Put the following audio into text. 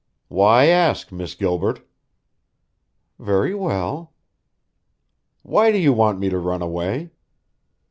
"Why ask, Miss Gilbert?" "Very well." "Why do you want me to run away?"